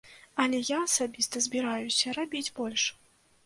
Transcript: Але я асабіста збіраюся рабіць больш.